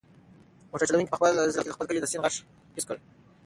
موټر چلونکي په خپل زړه کې د خپل کلي د سیند غږ حس کړ.